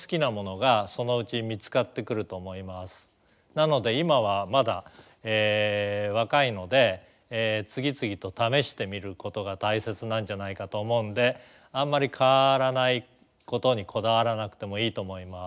なので今はまだ若いので次々と試してみることが大切なんじゃないかと思うんであんまり変わらないことにこだわらなくてもいいと思います。